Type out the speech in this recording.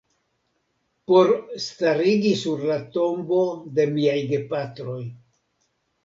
Por starigi sur la tombo de miaj gepatroj.